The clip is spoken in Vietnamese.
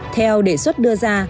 theo đề xuất đưa ra